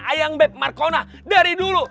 ayang bep markona dari dulu